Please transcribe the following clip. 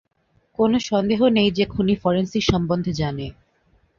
কোনো সন্দেহ নেই যে খুনি ফরেনসিক সম্বন্ধে জানে।